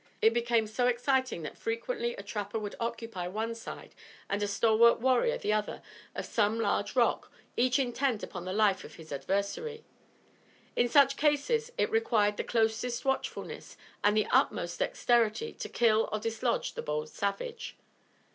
It became so exciting that frequently a trapper would occupy one side, and a stalwart warrior the other, of some large rock, each intent upon the life of his adversary. In such cases it required the closest watchfulness and the utmost dexterity to kill or dislodge the bold savage.